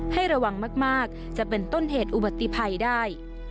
ให้ระวังมากจะเป็นต้นเหตุอุบัติภัยได้